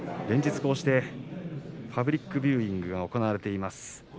連日こうしてパブリックビューイングが行われています。